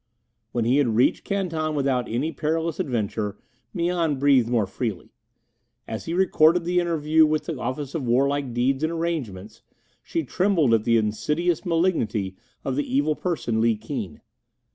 When he had reached Canton without any perilous adventure, Mian breathed more freely; as he recorded the interview at the Office of Warlike Deeds and Arrangements, she trembled at the insidious malignity of the evil person Li Keen.